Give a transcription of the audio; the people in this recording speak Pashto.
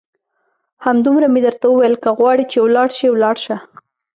همدومره مې درته وویل، که غواړې چې ولاړ شې ولاړ شه.